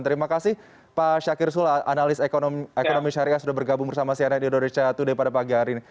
terima kasih pak syakir sula analis ekonomi syariah sudah bergabung bersama cnn indonesia today pada pagi hari ini